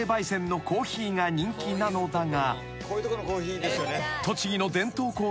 煎のコーヒーが人気なのだが］